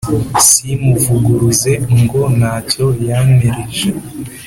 simuvuguruze ngo ntacyo yampereje